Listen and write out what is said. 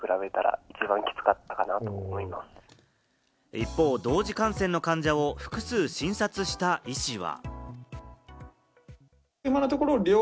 一方、同時感染の患者を複数診察した医師は。